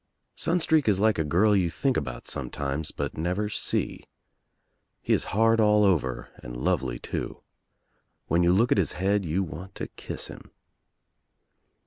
Sunstreak is like a girl you think about sometimes but never see. He is hard all over and lovely too. When you look at his head you want to kiss him.